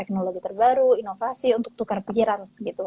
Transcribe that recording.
teknologi terbaru inovasi untuk tukar pikiran gitu